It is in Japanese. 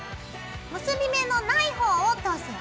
結び目のないほうを通すよ。